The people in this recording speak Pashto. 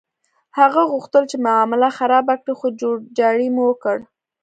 هغه غوښتل چې معامله خرابه کړي، خو جوړجاړی مو وکړ.